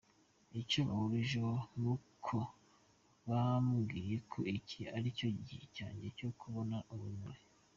Icyo bahurijeho ni uko bamwiye ko ‘iki ari cyo gihe cyanjye cyo kubona urumuri’.